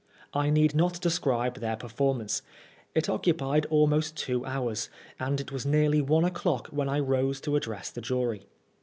I need not describe their performance. It occupied almost two hours, and it was nearly one o'clock when I rose to address the jury.